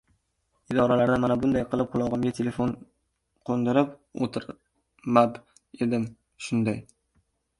— Idorada mana bunday qilib qulog‘imga telefon qo‘ndirib o‘tirmab edim! Shunday!